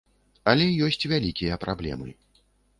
Але ёсць вялікія праблемы.